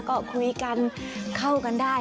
ก็คุยกันเข้ากันได้